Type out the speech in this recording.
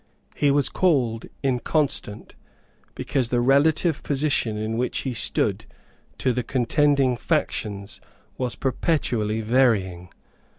He was called inconstant, because the relative position in which he stood to the contending factions was perpetually varying.